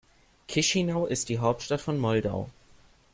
Chișinău ist die Hauptstadt von Moldau.